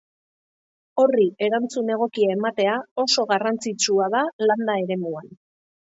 Horri erantzun egokia ematea oso garrantzitsua da landa eremuan.